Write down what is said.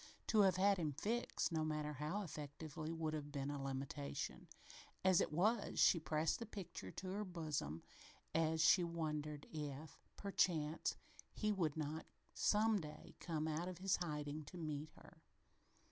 To have had him fixed, no matter how effectively, would have been a limitation. As it was, she pressed the picture to her bosom as she wondered if, perchance, he would not some day come out of his hiding to meet her.